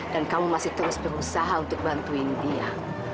kamu masih terus berusaha untuk bantuin dia